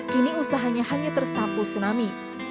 kini usahanya hanya tersapu tsunami